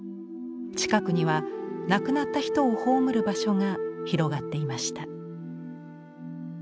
近くには亡くなった人を葬る場所が広がっていました。